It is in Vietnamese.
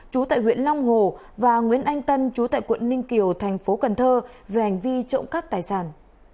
chú tại huyện long hồ và nguyễn anh tân chú tại quận ninh kiều thành phố cần thơ về hành vi trộm cắp tài sản